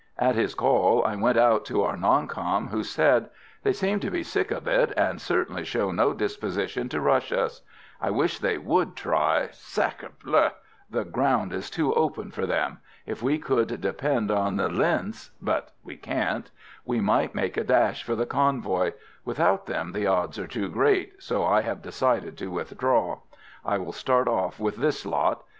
At his call I went out to our "non com," who said: "They seem to be sick of it, and certainly show no disposition to rush us. I wish they would try, Sacré bleu! The ground is too open for them. If we could depend on the linhs but we can't we might make a dash for the convoy; without them the odds are too great, so I have decided to withdraw. I will start off with this lot.